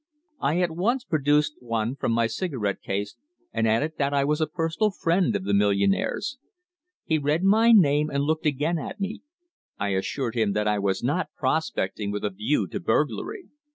I at once produced one from my cigarette case, and added that I was a personal friend of the millionaire's. He read my name and looked again at me. I assured him that I was not prospecting with a view to burglary.